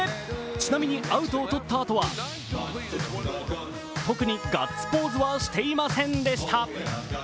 ちなみに、アウトをとったあとは特にガッツポーズはしていませんでした。